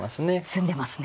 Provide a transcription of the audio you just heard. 詰んでますね